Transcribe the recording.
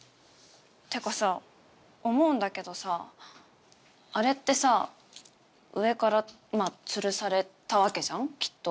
っていうかさ思うんだけどさあれってさ上からまぁつるされたわけじゃんきっと。